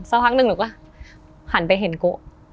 สักพักหนึ่งหนูก็หันไปเห็นโก